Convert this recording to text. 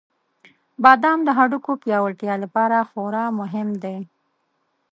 • بادام د هډوکو پیاوړتیا لپاره خورا مهم دی.